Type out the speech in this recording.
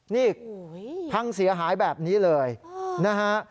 นี่พังเสียหายแบบนี้เลยนะฮะ